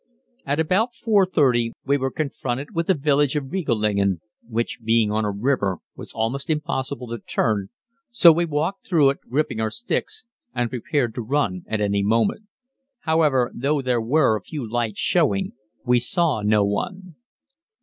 At about 4.30 we were confronted with the village of Rigelingen, which, being on a river, was almost impossible to "turn," so we walked through it, gripping our sticks and prepared to run at any moment. However, though there were a few lights showing, we saw no one.